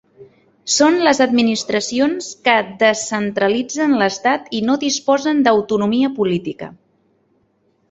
Són les administracions que descentralitzen l'estat i no disposen d'autonomia política.